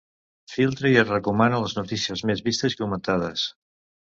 Filtra i et recomana les notícies més vistes i comentades.